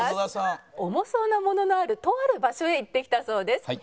重そうなもののあるとある場所へ行ってきたそうです。